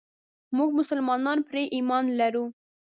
موږ مسلمانان پرې ايمان لرو.